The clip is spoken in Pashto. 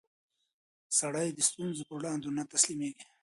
سړی د ستونزو پر وړاندې نه تسلیمېږي